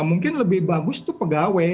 mungkin lebih bagus itu pegawai